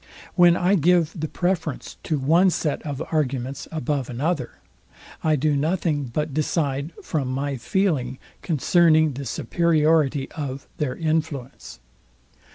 When I give the preference to one set of arguments above another, I do nothing but decide from my feeling concerning the superiority of their influence.